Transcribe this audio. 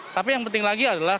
tapi yang penting lagi adalah